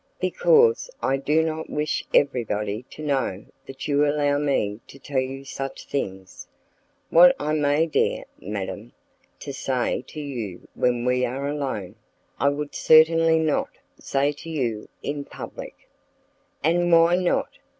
"Because I do not wish everybody to know that you allow me to tell you such things. What I may dare, madam, to say to you when we are alone, I would certainly not say to you in public." "And why not?